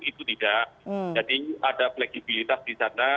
itu tidak jadi ada fleksibilitas di sana